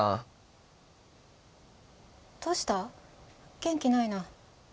元気ないな。